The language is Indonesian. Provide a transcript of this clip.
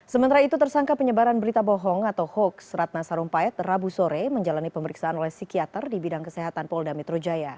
sementara itu tersangka penyebaran berita bohong atau hoax ratna sarumpait rabu sore menjalani pemeriksaan oleh psikiater di bidang kesehatan polda metro jaya